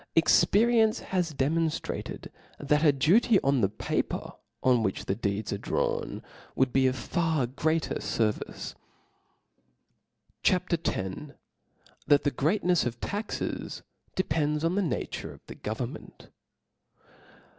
Experience has demonftrated thaca duty on the paper on which the dced^ arc drawn, woulu be of far greater fervice. C H A P. X. ^hat the Greatnefs of Taxes depend on the Na ' ture of the Government.